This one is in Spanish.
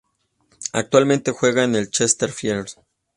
Actualmente juega en el Chesterfield.